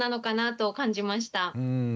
うん。